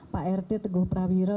pak rt teguh prawiro